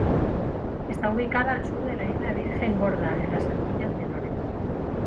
Está ubicada al sur de la isla Virgen Gorda en las Antillas Menores.